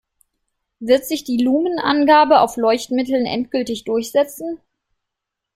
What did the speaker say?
Wird sich die Lumen-Angabe auf Leuchtmitteln endgültig durchsetzen?